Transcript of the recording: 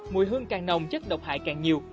mùi hương càng nồng chất độc hại càng nhiều